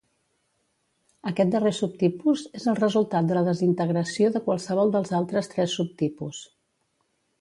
Aquest darrer subtipus és el resultat de la desintegració de qualsevol dels altres tres subtipus.